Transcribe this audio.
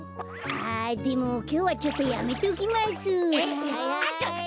あでもきょうはちょっとやめときます。